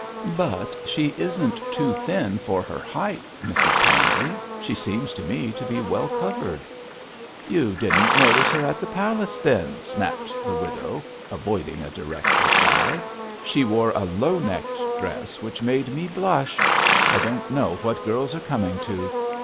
'But she isn't too thin for her height, Mrs Pansey. She seems to me to be well covered.' 'You didn't notice her at the palace, then,' snapped the widow, avoiding a direct reply. 'She wore a low necked dress which made me blush. I don't know what girls are coming to.